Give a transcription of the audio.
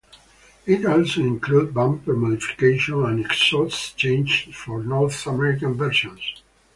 It also included bumper modification and exhaust changes for North American versions.